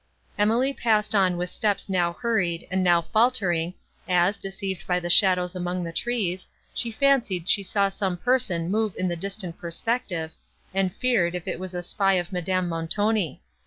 Emily passed on with steps now hurried, and now faltering, as, deceived by the shadows among the trees, she fancied she saw some person move in the distant perspective, and feared, that it was a spy of Madame Montoni.